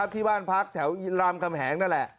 ที่บ้านพักแถวรามคำแหงนั่นแหละ